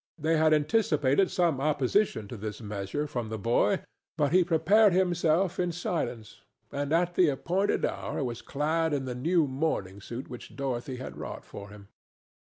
They had anticipated some opposition to this measure from the boy, but he prepared himself in silence, and at the appointed hour was clad in the new mourning suit which Dorothy had wrought for him.